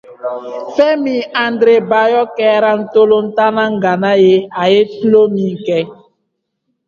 Femi Andrébayo kɛra ntolatanna ŋana ye a ye tulon min kɛ.